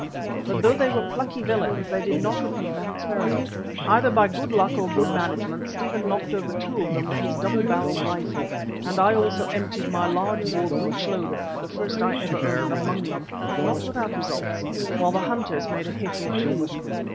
But though they were plucky villains they did not repeat that experiment. Either by good luck or good management Stephen knocked over two of them with his double barrelled rifle, and I also emptied my large bore breech loader the first I ever owned among them, not without results, while the hunters made a hit or two.